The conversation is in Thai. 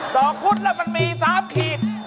ดอกพุธแล้วมันมีสามขีด